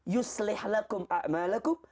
yuslih lakum a'malakum